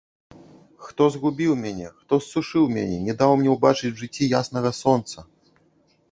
Хто згубіў мяне, хто ссушыў мяне, не даў мне ўбачыць у жыцці яснага сонца?